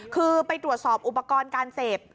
คือไปตรวจสอบอุปกรณ์การเสพ